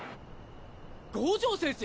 五条先生